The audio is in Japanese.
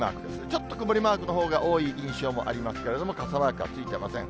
ちょっと曇りマークのほうが多い印象もありますけれども、傘マークはついていません。